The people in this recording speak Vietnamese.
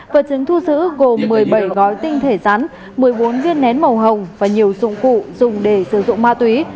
vật chứng thu giữ gồm một mươi bảy gói tinh thể rắn một mươi bốn viên nén màu hồng và nhiều dụng cụ dùng để sử dụng ma túy